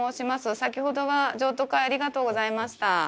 先ほどは譲渡会ありがとうございました。